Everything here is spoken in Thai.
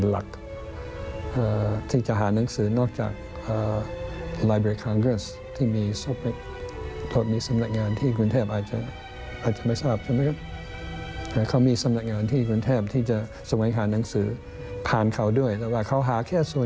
และหนังสือเหล่านี้ได้มาจากความร่วมมือของหลายฝ่าย